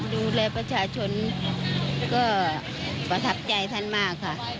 ดูแลประชาชนก็ประทับใจท่านมากค่ะ